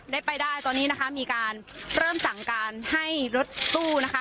ได้ไปได้ตอนนี้นะคะมีการเริ่มสั่งการให้รถตู้นะคะ